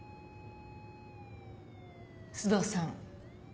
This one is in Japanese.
須藤さん